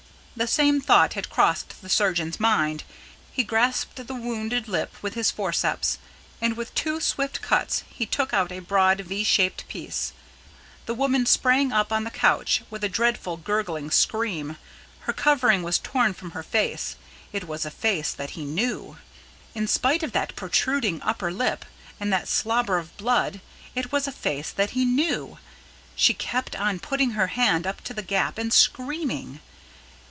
The same thought had crossed the surgeon's mind. He grasped the wounded lip with his forceps, and with two swift cuts he took out a broad V shaped piece. The woman sprang up on the couch with a dreadful gurgling scream. Her covering was torn from her face. It was a face that he knew. In spite of that protruding upper lip and that slobber of blood, it was a face that he knew, She kept on putting her hand up to the gap and screaming.